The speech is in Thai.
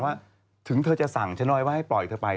ว่าถึงเธอจะสั่งฉันเอาไว้ว่าให้ปล่อยเธอไป